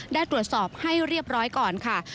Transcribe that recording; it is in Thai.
ได้ตรวจสอบให้เรียบร้อยก่อนค่ะ